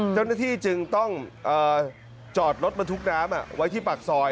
เจ้าหน้าที่จึงต้องจอดรถบรรทุกน้ำไว้ที่ปากซอย